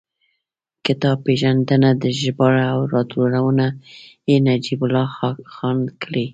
کتاب پېژندنه ده، ژباړه او راټولونه یې نجیب الله خان کړې.